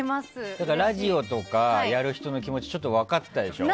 ラジオとかやる人の気持ちちょっと分かったでしょ？